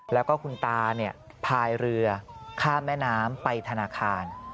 แล้วก็คุณตาพายเรือข้ามแม่น้ำไปธนาคาร